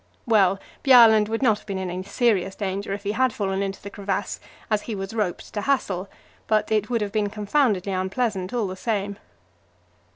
Well, Bjaaland would not have been in any serious danger if he had fallen into the crevasse, as he was roped to Hassel, but it would have been confoundedly unpleasant all the same.